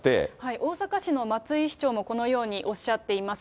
大阪市の松井市長もこのようにおっしゃっています。